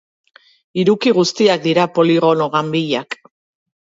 Hiruki guztiak dira poligono ganbilak.